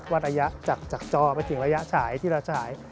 ระยะจากจอไปถึงระยะฉายที่เราฉาย